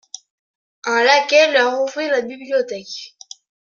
Un laquais leur ouvrit la bibliothèque.